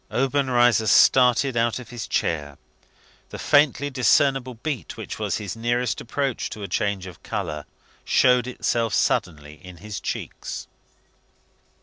Obenreizer started out of his chair. The faintly discernible beat, which was his nearest approach to a change of colour, showed itself suddenly in his cheeks.